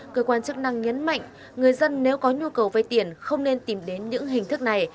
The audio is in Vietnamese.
cơ quan chức năng nhấn mạnh người dân nếu có nhu cầu vay tiền không nên tìm đến những hình thức này